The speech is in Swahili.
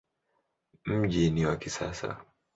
Mji ni wa kisasa.